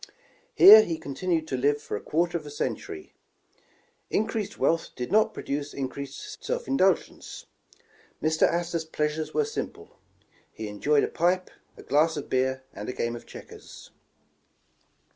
Here he continued to live for a quarter of a century. Increased wealth did not produce increased self indulgence. Mr. Astor 's pleasures were simple. He enjoyed a pipe, a glass of beer, and a game of checkers.